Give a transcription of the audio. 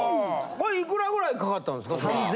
これいくらぐらいかかったんですか？